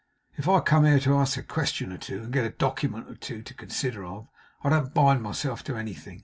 'If I come here to ask a question or two, and get a document or two to consider of, I don't bind myself to anything.